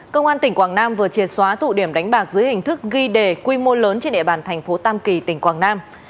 công an tỉnh quảng nam vừa triệt xóa tụ điểm đánh bạc dưới hình thức ghi đề quy mô lớn trên địa bàn thành phố tam kỳ tỉnh quảng nam